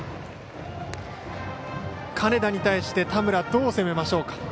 金田に対して、田村どう攻めましょうか。